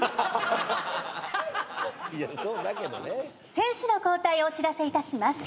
選手の交代をお知らせいたします。